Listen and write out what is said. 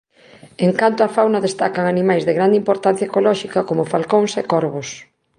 En canto á fauna destacan animais de grande importancia ecolóxica coma falcóns e corvos.